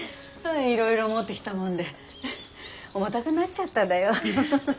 いろいろ持ってきたもんで重たくなっちゃっただよハハハハ。